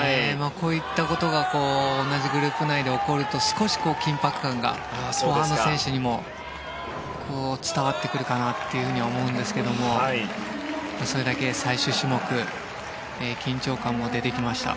こういったことが同じグループ内で起こると少し緊迫感が後半の選手にも伝わってくるかなと思うんですけどそれだけ最終種目緊張感も出てきました。